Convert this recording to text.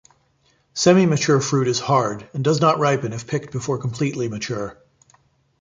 Semi-mature fruit is hard and does not ripen if picked before completely mature.